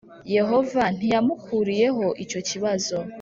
Yehova ntiyamukuriyeho icyo kibazo